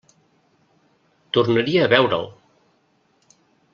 Tornaria a veure'l!